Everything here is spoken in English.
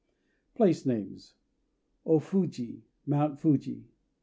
PLACE NAMES O Fuji [Mount] "Fuji."